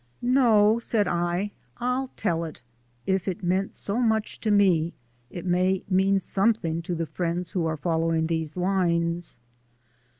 "No," said I, "I'll tell it; if it means so much to me, it may mean something to the friends who are following these lines."